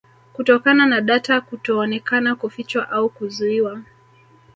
Kutokana na data kutoonekana kufichwa au kuzuiwa